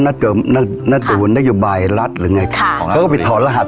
นั่งอยู่บันไดรัฐหรือไงค่ะก็บิดถอนรหัส